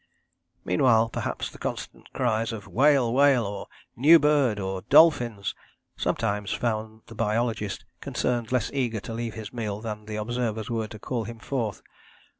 Meanwhile, perhaps the constant cries of "Whale, whale!" or "New bird!" or "Dolphins!" sometimes found the biologist concerned less eager to leave his meal than the observers were to call him forth.